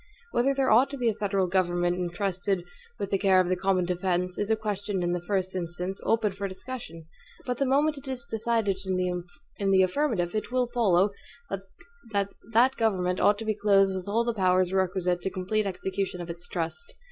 Whether there ought to be a federal government intrusted with the care of the common defense, is a question in the first instance, open for discussion; but the moment it is decided in the affirmative, it will follow, that that government ought to be clothed with all the powers requisite to complete execution of its trust.